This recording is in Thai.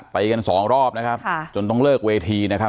ไปกันสองรอบนะครับจนต้องเลิกเวทีนะครับ